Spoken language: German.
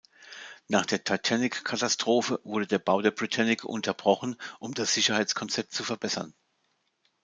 Nach der "Titanic"-Katastrophe wurde der Bau der "Britannic" unterbrochen, um das Sicherheitskonzept zu verbessern.